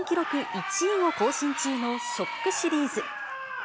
１位を更新中のＳＨＯＣＫシリーズ。